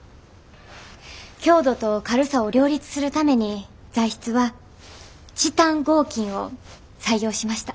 強度と軽さを両立するために材質はチタン合金を採用しました。